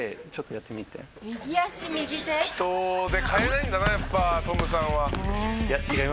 「人で変えないんだなやっぱトムさんは」